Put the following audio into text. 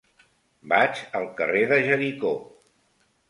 Vaig al carrer de Jericó.